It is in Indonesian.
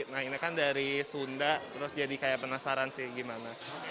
nah ini kan dari sunda terus jadi kayak penasaran sih gimana